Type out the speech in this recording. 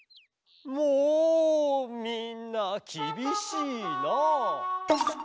もうみんなきびしいな！